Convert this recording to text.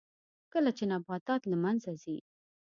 کله چې نباتات له منځه ځي